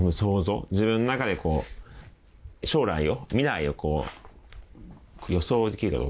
自分の中でこう将来を未来をこう予想できるかどうか。